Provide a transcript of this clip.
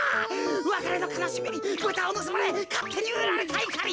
わかれのかなしみにブタをぬすまれかってにうられたいかり。